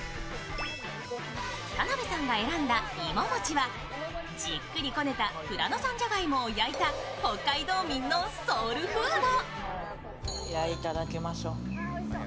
田辺さんが選んだいももちはじっくりこねた富良野産じゃがいもを焼いた北海道民のソウルフード。